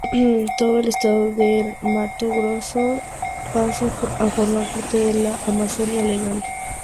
Todo el estado del Mato Grosso pasa a formar parte de la Amazonia legal.